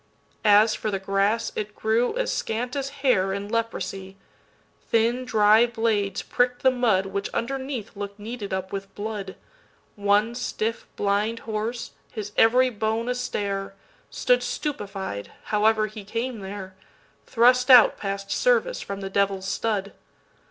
As for the grass, it grew as scant as hairIn leprosy; thin dry blades prick'd the mudWhich underneath look'd kneaded up with blood. One stiff blind horse, his every bone a stare, Stood stupefied, however he came there:Thrust out past service from the devil's stud!